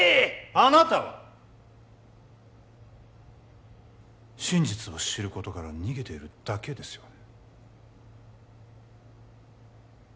あなたは真実を知ることから逃げているだけですよね